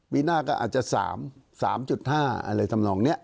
ปีหน้าก็อาจจะสามสามจุดห้าอะไรทำลองเนี้ย